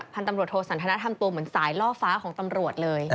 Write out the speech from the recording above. พันธุ์ตำรวจโทสันทนาทำตัวเหมือนสายล่อฟ้าของตำรวจเลย